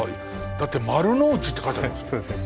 だって「丸ノ内」って書いてありますよ。